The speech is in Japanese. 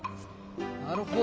なるほど。